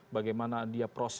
bagaimana dia prosesnya